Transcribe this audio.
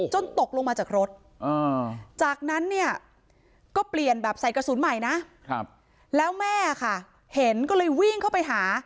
ตกลงมาจากรถจากนั้นเนี่ยก็เปลี่ยนแบบใส่กระสุนใหม่นะแล้วแม่ค่ะเห็นก็เลยวิ่งเข้าไปหา